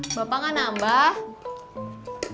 bapak gak nambah